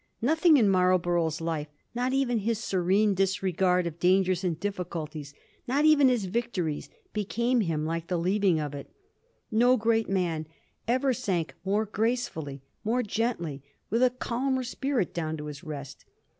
Nothing in Marlborough's life, not even his serene disregard of dangers and difBiculties, not even his victories, became him like to the leaving of it. No great man ever sank more gracefully, more gently, with a cahner spirit, down to his rest.